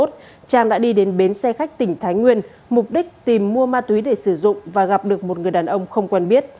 trang đã đi đến bến xe khách tỉnh thái nguyên mục đích tìm mua ma túy để sử dụng và gặp được một người đàn ông không quen biết